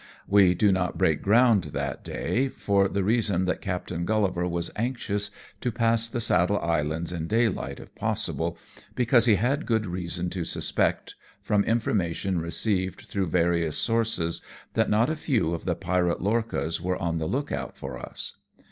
"We do not break ground that day, for the reason that Captain GuUivarwas anxious to pass the Saddle Islands in day light if possible^ because he had good reason to suspect, from information received through various sourceSj that not a few of the pirate lorchas were on the look out for us.